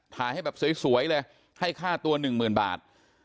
ถ่ายให้แบบสวยสวยเลยให้ค่าตัวหนึ่งหมื่นบาท